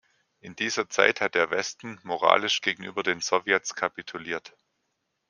In dieser Zeit hat der Westen moralisch gegenüber den Sowjets kapituliert.